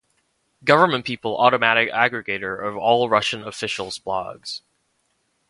Government People automatic aggregator of all Russian officials blogs.